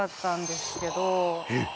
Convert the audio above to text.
えっ？